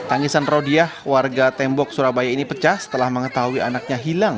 tangisan rodiah warga tembok surabaya ini pecah setelah mengetahui anaknya hilang